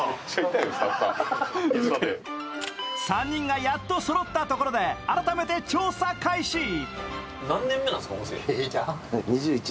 ３人がやっとそろったところで改めて調査開始。